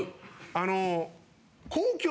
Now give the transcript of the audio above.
あの。